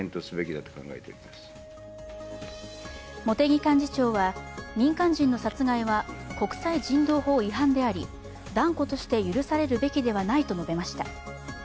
茂木幹事長は、民間人の殺害は国際人道法違反であり断固として許されるべきではないと述べました。